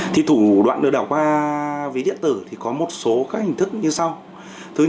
thì thủ đoạn lừa đảo qua ví điện tử thì có một số các hình thức như sau